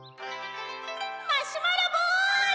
マシュマロボール！